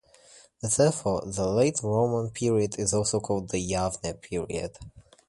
Therefore, the late Roman period is also called the Yavne Period.